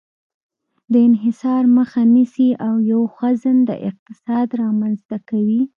د انحصار مخه نیسي او یو خوځنده اقتصاد رامنځته کوي.